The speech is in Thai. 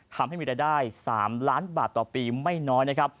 ทำให้มีรายได้๓ล้านบาทต่อปีไม่น้อยนะครับ